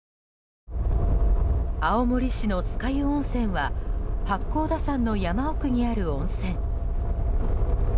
青森市の酸ヶ湯温泉は八甲田山の山奥にある温泉。